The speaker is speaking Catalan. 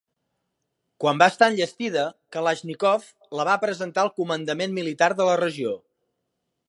Quan va estar enllestida, Kalàixnikov la va presentar al comandament militar de la regió.